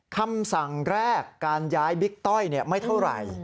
คำสั่งแรกการย้ายบิ๊กต้อยไม่เท่าไหร่